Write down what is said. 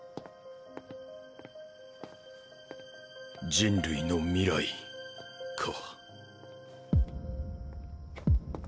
人類の未来か